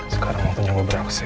sekarang aku nyangka beraksi